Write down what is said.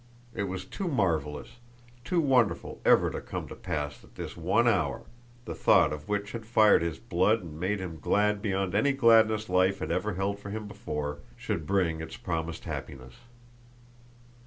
It was too marvellous, too wonderful ever to come to pass that this one hour, the thought of which had fired his blood and made him glad beyond any gladness life had ever held for him before, should bring its promised happiness.